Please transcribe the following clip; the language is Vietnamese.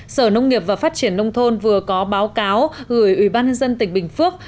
sở nông nghiệp và phát triển nông thôn vừa có báo cáo gửi ủy ban nhân dân tỉnh bình phước